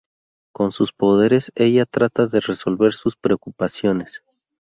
Con sus poderes, ella trata de resolver sus preocupaciones.